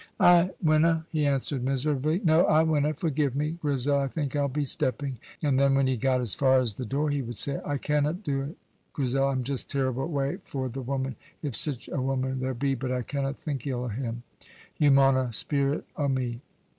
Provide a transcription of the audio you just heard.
"I winna," he answered miserably, "no, I winna. Forgive me, Grizel; I think I'll be stepping"; and then when he got as far as the door he would say, "I canna do 't, Grizel; I'm just terrible wae for the woman (if sic a woman there be), but I canna think ill o' him; you mauna speir it o' me."